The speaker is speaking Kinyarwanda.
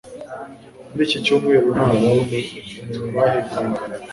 Muri iki cyumweru ntabwo twahembwaga